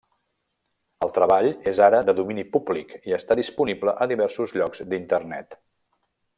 El treball és ara de domini públic i està disponible a diversos llocs d'Internet.